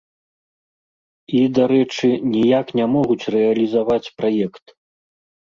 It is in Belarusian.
І, дарэчы, ніяк не могуць рэалізаваць праект.